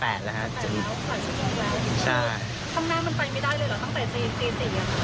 ทำงานมันไปไม่ได้เลยเหรอตั้งแต่ตี๔เนี่ย